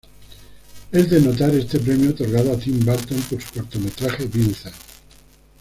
Es de notar este premio otorgado a Tim Burton por su cortometraje "Vincent".